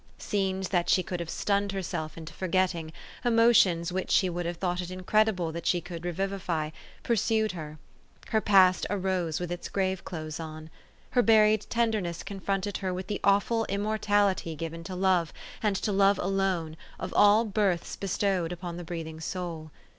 Scenes that she could have stunned herself into forgetting, emotions which she would have thought it incredible that she could revivify, pursued her. Her past arose with its grave clothes on. Her buried tenderness confronted her with the awful immortality given to love, and to love alone, of all births bestowed upon the breathing soul.